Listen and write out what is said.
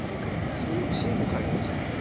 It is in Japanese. そういう知恵も彼が教えてくれる。